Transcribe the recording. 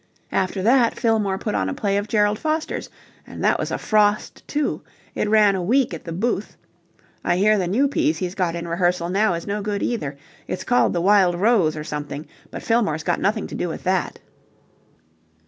After that Fillmore put on a play of Gerald Foster's and that was a frost, too. It ran a week at the Booth. I hear the new piece he's got in rehearsal now is no good either. It's called 'The Wild Rose,' or something. But Fillmore's got nothing to do with that."